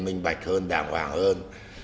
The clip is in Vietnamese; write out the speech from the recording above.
minh bạch hơn đàng hoàng hơn